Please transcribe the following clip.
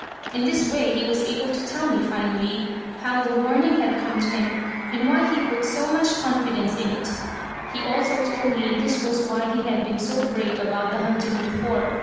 In this way he was able to tell me, finally, how the 'warning' had come to him, and why he put so much confidence in it. He also told me this was why he had been so brave about the hunting before.